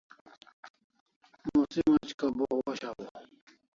Musim aj kaw bo osh hawaw